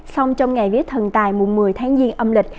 xong trong ngày viết thần tài mùa một mươi tháng giêng âm lịch